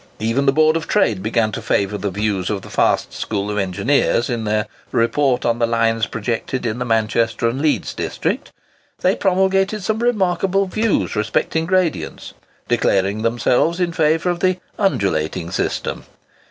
Even the Board of Trade began to favour the views of the fast school of engineers. In their "Report on the Lines projected in the Manchester and Leeds District," they promulgated some remarkable views respecting gradients, declaring themselves in favour of the "undulating system."